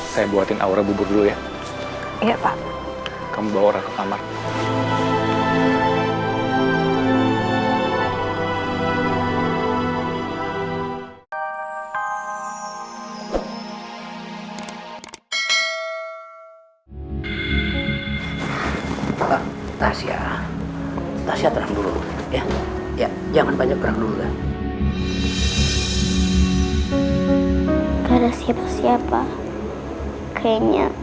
sampai jumpa di video selanjutnya